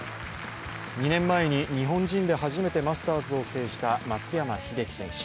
２年前に日本人で初めてマスターズを制した松山英樹選手。